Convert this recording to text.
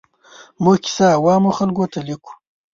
موږ کیسه عوامو خلکو ته لیکو.